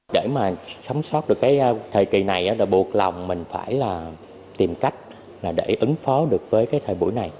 để mà sống sót được cái thời kỳ này là buộc lòng mình phải là tìm cách là để ứng phó được với cái thời buổi này